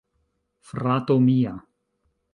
Frato mia..